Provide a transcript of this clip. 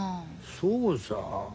そうさ。